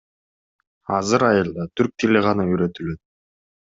Азыр айылда түрк тили гана үйрөтүлөт.